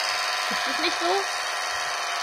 Ist es nicht so?